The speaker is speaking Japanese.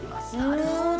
なるほど。